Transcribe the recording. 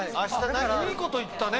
いい事言ったね。